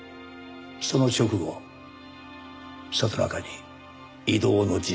その直後里中に異動の辞令が下った。